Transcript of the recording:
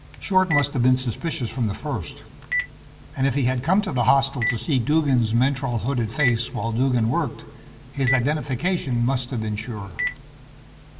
Short must have been suspicious from the first. And if he had come to the hostel to see Duggan's mentrol hooded face, while Duggan worked, his identification must have been sure.